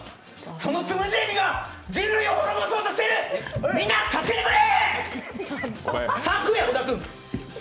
そのつむじエビが人類を滅ぼそうとしている、みんな助けてくれー！